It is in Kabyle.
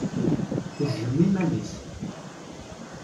Tejjem iman-is.